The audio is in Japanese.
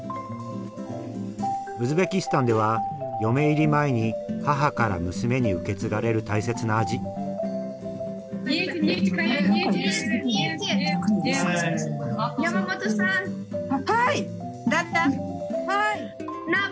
ウズベキスタンでは嫁入り前に母から娘に受け継がれる大切な味はい！